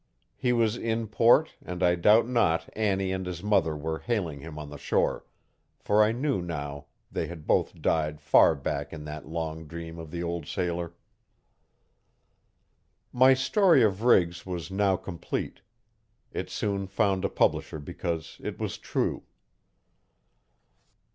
He was in port and I doubt not Annie and his mother were hailing him on the shore, for I knew now they had both died far back in that long dream of the old sailor. My story of Riggs was now complete. It soon found a publisher because it was true.